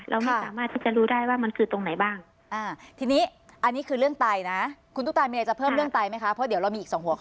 เราไม่สามารถที่จะรู้ได้ว่ามันคือตรงไหนบ้างทีนี้อันนี้คือเรื่องไตนะคุณตุ๊กตามีอะไรจะเพิ่มเรื่องไตไหมคะเพราะเดี๋ยวเรามีอีกสองหัวข้อ